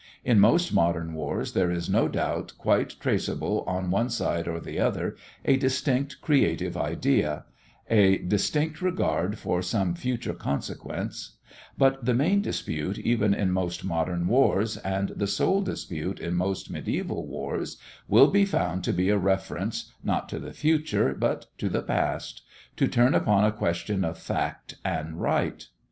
In most modern wars there is no doubt quite traceable on one side or the other a distinct creative idea, a distinct regard for some future consequence; but the main dispute even in most modern wars and the sole dispute in most mediæval wars will be found to be a reference, not to the future, but to the past; to turn upon a question of fact and right.